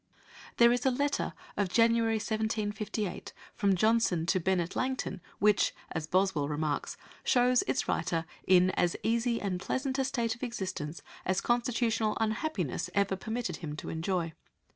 There is a letter of January 1758 from Johnson to Bennet Langton which, as Boswell remarks, shows its writer "in as easy and pleasant a state of existence, as constitutional unhappiness ever permitted him to enjoy."